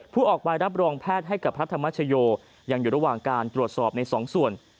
ออกใบรับรองแพทย์ให้กับพระธรรมชโยยังอยู่ระหว่างการตรวจสอบในสองส่วน